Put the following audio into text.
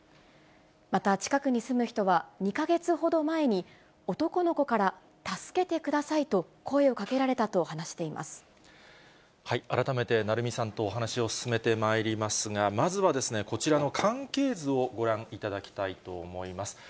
また近くに住む人は、２か月ほど前に男の子から助けてくださいと声をかけられたと話し改めて鳴海さんとお話を進めてまいりますが、まずはこちらの関係図をご覧いただきたいと思います。